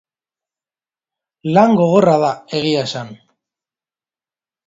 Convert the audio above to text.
Lan gogorra da, egia esan.